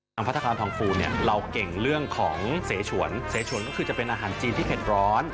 ทางพระธรรมทองฟูเราเก่งเรื่องของเสชวนเสชวนก็คือจะเป็นอาหารจีนที่เผ็ดร้อน